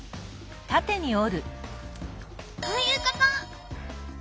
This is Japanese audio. こういうこと！